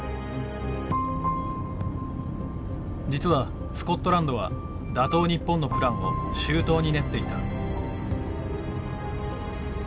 実はスコットランドは打倒日本のプランを周到に練っていた。